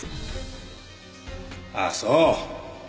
ああそう。